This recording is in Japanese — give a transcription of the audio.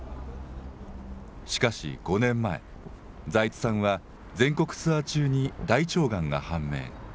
しかし、５年前、財津さんは全国ツアー中に大腸がんが判明。